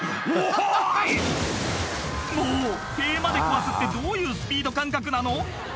もう塀まで壊すってどういうスピード感覚なの？